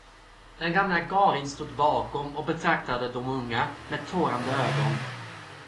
Den gamla Karin stod bakom och betraktade de unga med tårade ögon.